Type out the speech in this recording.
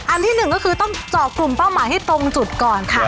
ที่หนึ่งก็คือต้องเจาะกลุ่มเป้าหมายให้ตรงจุดก่อนค่ะ